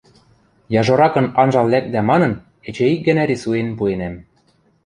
яжоракын анжал лӓкдӓ манын, эче ик гӓнӓ рисуен пуэнӓм.